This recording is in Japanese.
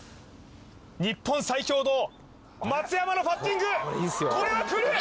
日本最強の松山のパッティングこれはくる！